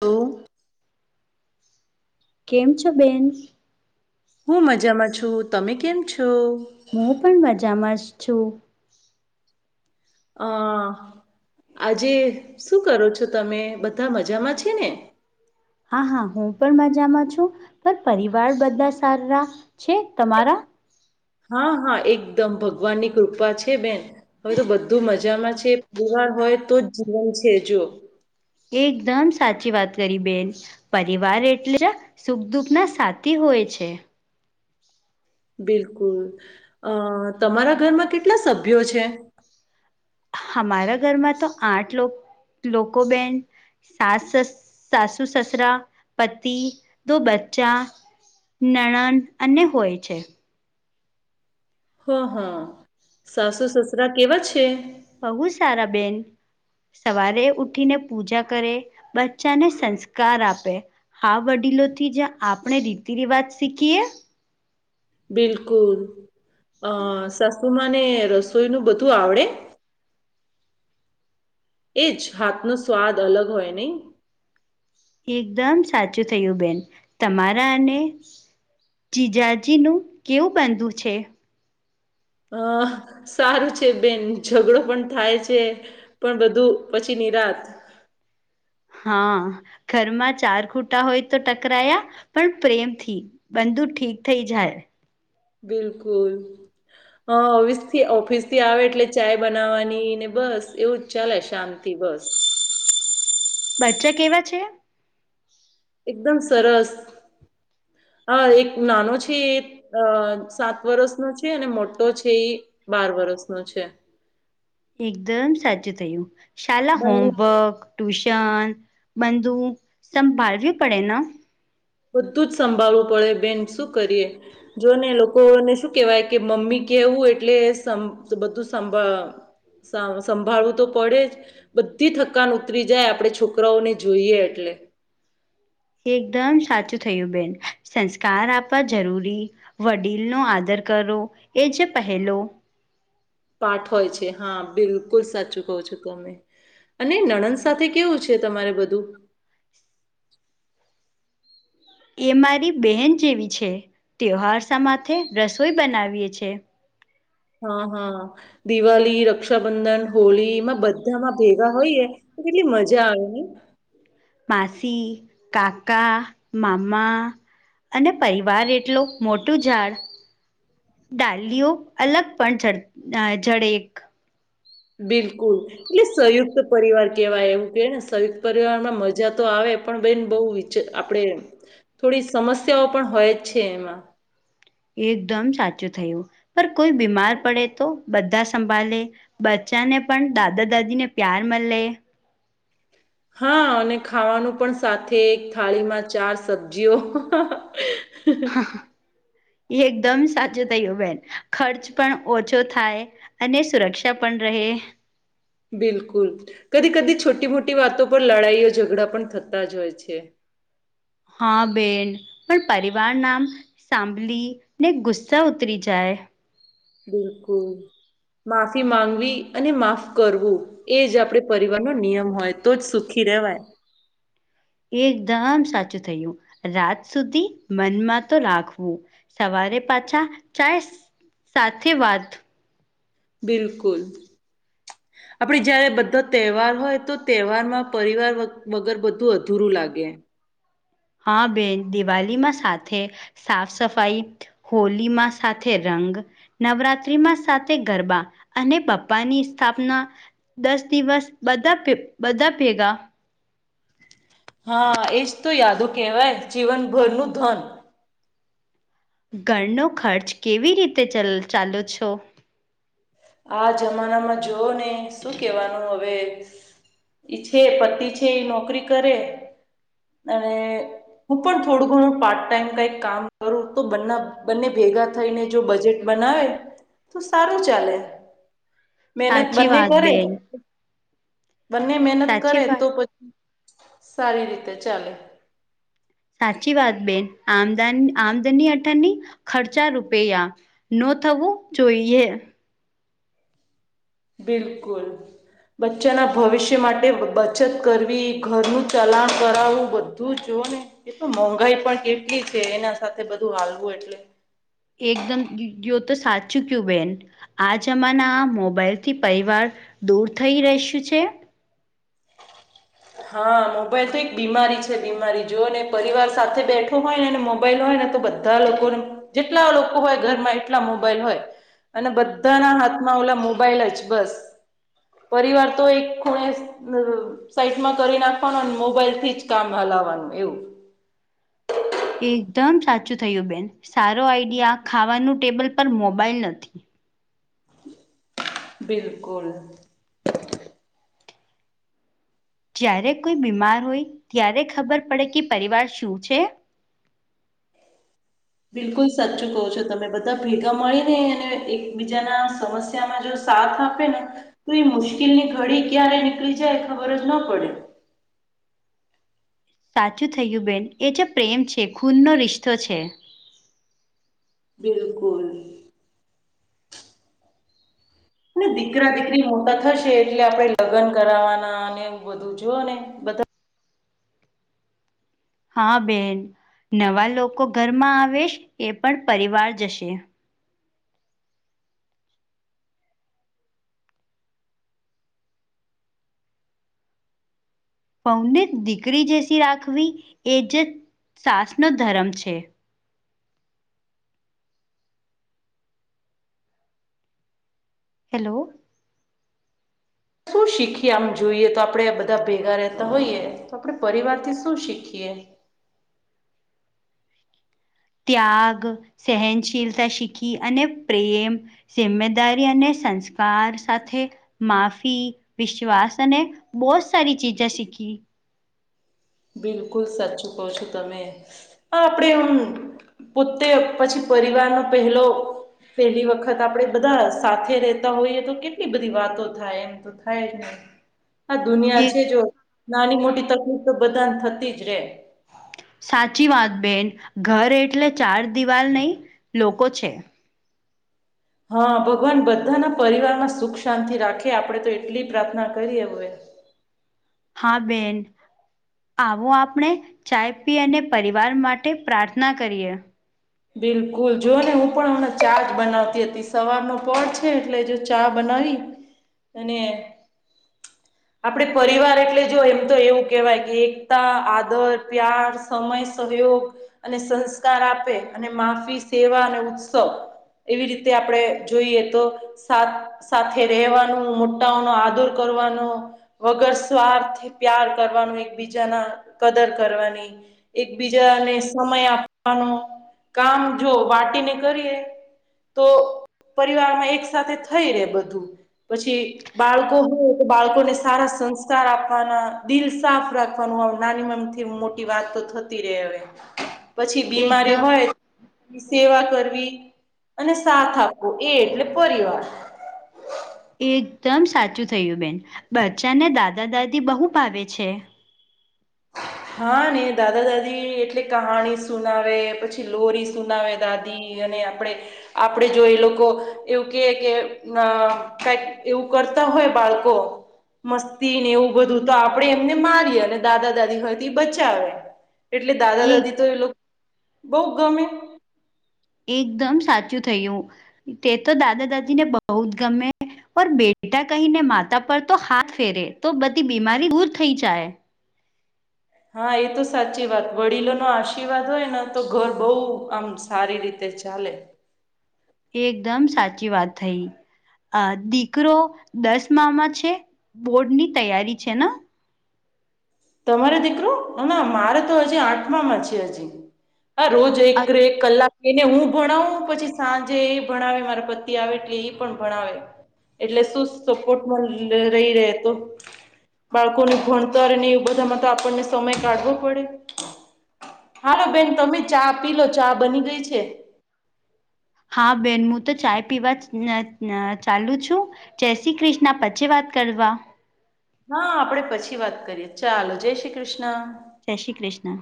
Okay. કેમ છો, બેન? હું મજામાં છું, તમે કેમ છો? હું પણ મજામાં જ છું. અ આજે શું કરો છો તમે? બધા મજામાં છે ને? હા, હા હું પણ મજામાં છું, પણ પરિવાર બધા સારા છે, તમારા? એકદમ ભગવાનની કૃપા છે, બેન. હવે તો બધું મજામાં છે, પરિવાર હોય તો જ જીવન છે. જુ એકદમ સાચી વાત કરી, બેન. પરિવાર એટલે દુઃખના સાથી હોય છે. બિલકુલ, તમારા ઘરમાં કેટલા સભ્યો છે? અમારા ઘરમાં તો આઠ લોકો બેન. સાસસ સાસુ-સસુરા, પતિ, દો બચ્ચા નણન અને હોય છે. હા, સાસુ-સસરા કેવા છે? બહુ સારા બેન. સવારે ઉઠીને પૂજા કરે, બચ્ચાને સંસ્કાર આપે. હા, વડીલોથી જ આપણે રીતિ રિવાજ શીખીએ. બિલકુલ, અ સાસુમાને રસોઈ બધું આવડે? એ જ હાથનો સ્વાદ અલગ હોય નહીં. એકદમ સાચું થયું બેન, તમારાને જીજાજીનું કેવું બંધું છે? અ સારું છે બેન, ઝઘડો પણ થાય છે. પણ બધું પછી નિરાત. હા, ઘરમાં ચાર ખૂટા હોય તો ટકરાયા? પણ પ્રેમથી બંધુ ઠીક થઈ જાય. બિલકુલ. હા, અવેથી ઓફિસ થી આવે, એટલે ચાય બનાવવાની ને, બસ એવું જ ચાલે શાત. દિવસ. બચ્ચા કેવા છે? એકદમ સરસ. હા, એક નાનો છે. અ સાત વર્ષ નો છે, અને મોટો છે, એ બાર વર્ષ નો છે. એકદમ સાચું થયું શાલા બંને હોમવર્ક ટ્યુશન બંધુ સંભાળવી પડે. બધું જ સંભાળવું પડે બેન શું કરીએ. જો ને લોકોને શું કેવાય કે મમ્મી કેવું એટલે બધું સાભાળ સા સંભાળવું તો પડે જ. બધી થકાન ઉતરી જાય આપડે છોકરાઓને જોઈએ એટલે. એકદમ સાચું થયું બેન સંસ્કાર આપવા જરૂરી વડીલનો આદર કરો એ જે પહેલો પાઠ હોય છે હા બિલકુલ સાચું કહું છો તમે અને નણંદ સાથે કેવું છે તમારે બધું? એ મારી બહેન જેવી છે તેહવારસા માટે રસોઈ બનાવીએ છે. હા હા દિવાળી રક્ષાબંધન હોળી એમાં બધામાં ભેગા હોઈએ તો કેટલી મજા આવે નય માસી કાકા મામા અને પરિવાર એટલો મોટું ઝાડ ડાલીઓ અલગ પણ જ જળ એક બિલકુલ. એટલે સંયુક્ત પરિવાર કેવાય એવું કે ને સંયુક્ત પરિવારમાં મજા તો આવે પણ બેન બહુ વિચ આપણેે થોડી સમસ્યાઓ પણ હોય જ છે એમાં એકદમ સાચું થયું પણ કોઈ બીમાર પડે તો બધા સંભાળ લે બચ્ચાને પણ દાદા દાદીને પ્યાર મલે હા અને ખાવાનું પણ સાથે એક થાળીમાં ચાર સબ્જીઓ [inaudible] એકદમ સાચો થયું બેન ખર્ચ પણ ઓછો થાય. અને સુરક્ષા પણ રહે. બિલકુલ કદી કદી છોટી મોટી વાતો પર લડાઈઓ ઝઘડા પણ થતા જ હોય છે. હા બેન પણ પરિવાર નામ સાંભલીને ગુસ્સા ઉતરી જાય. બિલકુલ. માફી માંગવી અને માફ કરવું એ જ આપડે પરિવારનો નિયમ હોય. તો જ સુખી રેહવાય. એકદમ સાચું થયું રાત સુધી મનમાં તો રાખવું સવારે પાછા ચાય સાથે વાત બિલકુલ. આપડે જયારે બધા તહેવાર હોય તો તહેવારમાં પરિવાર વગર બધું અધૂરું લાગે. હા બેન દિવાળીમાં સાથે સાફ સફાઈ હોલીમાં સાથે રંગ નવરાત્રીમાં સાથે ગરબા અને પપ્પાની સ્થાપના દસ દિવસ બધા પ બધા ભેગા. હા એજ તો યાદો કહેવાય જીવનભરનું ધન ઘરનો ખર્ચ કેવી રીતે ચલ ચાલુ છો? આ જમાનામાં જોવ ને શું કેવાનું હવે એ છે પતિ છે એ નોકરી કરે અને હું પણ થોડું ઘણું પાર્ટ ટાઈમ કઈ કામ કરું તો બ બંને ભેગા થઈને જો બજેટ બનાવે તો સારું ચાલે. મહેનત સાચી બંને વાત કરે. બેન બંને મહેનત સાચી કરે વાત તો પછી સારી રીતે ચાલે. સાચી વાત બેન આમદ આમદની અઠની ખર્ચા રૂપિયા નો થવું જોઈએ. બિલકુલ. બચ્ચાના ભવિષ્ય માટે બચત કરવી ઘરનું ચલાણ કરાવવું બધું જો ને. એક તો મોંઘાઈ પણ કેટલી છે એના સાથે બધું હાલવું એટલે એકદમ કયો તો સાચું કયું બેન. આ જમાના મોબાઈલ થી પરિવાર દૂર થઈ રહસ્યું છે. હા મોબાઈલ તો એક બીમારી છે બીમારી જો ને પરિવાર સાથે બેઠો હોય નેને મોબાઈલ હોય ને તો બધા બધા લોકો જેટલા લોકો હોય ઘરમાં એટલા મોબાઈલ હોય. અને બધાના હાથમાં ઓલા મોબાઈલ જ બસ. પરિવાર તો એક ખૂણે અ સા મા કરી નાખવાનું અને મોબાઈલ થી જ કામ હલાવાનું એવું. એકદમ સાચું થયું બેન સારો આઈડિયા ખાવાનું ટેબલ પર મોબાઈલ નથી. બિલકુલ. જ્યારે કોઈ બીમાર હોય ત્યારે ખબર પડે કે પરિવાર શું છે? બિલકુલ સાચું કહો છો તમે બધા ભેગા મળી ને અને એકબીજાના સમસ્યા એમાં જો સાથ આપે ને તો એ મુશ્કેલ ની ઘડી ક્યારે નીકળી જાય ખબર જ ન પડે. સાચું થઈ ગ્યું બેન એ જે પ્રેમ છે ખૂનનો રિશ્તો છે. બિલકુલ. અને દીકરા દીકરી મોટા થશે એટલે આપણે લગ્ન કરાવવાના અને એવું બધું જોઓ ને બધા હા બેન નવા લોકો ઘરમાં આવે એ પણ પરિવાર જશે. બહુ દીકરી જેસી રાખવી એ જે સાસ નો ધર્મ છે. હેલો. શું શીખીએ આમ જોઈએ તો આપડે બધા ભેગા રહેતા હોઈયએ તો આપે પરિવાર થી શું શીખીએ? ખીએ ત્યાગ, સહનશીલતા શીખી અને પ્રેમ જિમ્મેદારી અને સંસ્કાર સાથે માફી, વિશ્વાસ અને બહોત સારી ચીજે શીખી. બિલકુલ સાચું કહો છો તમે આપડે એમ પોતે પછી પરિવારનો પહેલો પેલી વખત આપણેે બધા સાથે રહેતા હોઈએ તો કેટલી બધી વાતો થાય એમ તો થાય જ‌ ને હા, દુનિયા છે એક જો નાની મોટી તકલીફ તો બધાને થતી જ રેય. સાચી વાત બેન ઘર એટલે ચાર દિવાલ નહી લોકો છે. હા, ભગવાન બધાના પરિવારમાં સુખ શાંતિ રાખે આપડે તો એટલી પ્રાર્થના કરીએ હવે હા, બેન. આવો આપણે ચાય પી અને પરિવાર માટે પ્રાર્થના કરીએ. બિલકુલ જો ને હું પણ હમણા ચાજ બનાવતી હતી. સવારનો પહોર છે એટલે જો ચા બનાવી અને આપડે પરિવાર એટલે જો એમ તો એવું કેહેવાય કે એકતા, આદર, પ્યાર સમય, સહયોગ અને સંસ્કાર આપે અને માફી, સેવા અને ઉત્સવ. એવી રીતે આપણે જોઈએ તો સાથ સાથે રહેેવાનું મોટાઓનો આદર કરવાનો વગર સ્વાર્થ પ્યાર કરવાનું એકબીજાના કદર કરવાની એકબીજાને સમય આપવાનો. કામ જો વાટીને કરીએ. તો પરિવારમાં એક સાથે થઈ રેય બધું પછી બાળકો હોય તો બાળકોને સારા સંસ્કાર આપવાના દિલ, સાફ રાખવાનું નાની મમતી મોટી વાત તો થતી રેય હવે પછી બીમારી એકદમ હોય સેવા કરવી અને સાથ આપવો એ એટલે પરિવાર. એકદમ સાચું થયું બેન બચ્ચાને દાદા-દાદી બહુ ભાવે છે. હા ને દાદા-દાદી એટલે કહાણી સુનાવે પછી લોરી સુનાવે દાદી. અને આપણે આપણેે જો એ લોકો એવું કેય કે ના કઈક એવું કરતા હોય બાળકો મસ્તીને એવું બધું તો આપડે એમને મારીએ અને દાદા-દાદી હોય બચાવે એટલે એક દાદા-દાદી તો એ લોકો બહું ગમે એકદમ સાચું થયું તે તો દાદા-દાદીને બહુ જ ગમે. પર બેટા કહીને માતા પર તો હાથ ફેરે તો બધી બીમારી દૂર થઈ જાય. હા, એ તો સાચી વાત વડીલોનો આશીર્વાદ હોય ને તો ઘર બહુ આમ સારી રીતે ચાલે. એકદમ સાચી વાત થઈ. આ દીકરો દસમામાં છે, બોર્ડની તૈયારી છે ન તમારે દીકરો હ ના મારે તો હજી આઠમામાં છે, હજી. હા રોજ એક કલાક એને હું ભણાવું પછી સાંજે એ ભણાવે મારા પતિ આવે એટલે એ પણ ભણાવે. એટલે શું સપોર્ટમાં રહી રહે તો બાળકોનું ભણતર ને બધામાં તો આપણને સમય કાઢવો પડે. હાલો બેન તમે ચા પીલો ચા બની ગઈ છે. હા બેન હું તો ચાય પીવા ચાલુ છું. જય શ્રી કૃષ્ણ, પછી વાત કરવા હા, આપડે પછી વાત કરીએ ચાલો જય શ્રી કૃષ્ણ. જય શ્રી કૃષ્ણ.